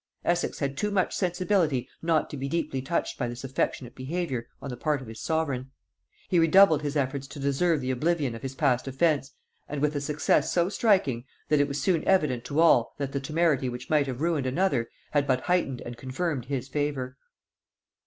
Essex had too much sensibility not to be deeply touched by this affectionate behaviour on the part of his sovereign; he redoubled his efforts to deserve the oblivion of his past offence, and with a success so striking, that it was soon evident to all that the temerity which might have ruined another had but heightened and confirmed his favor.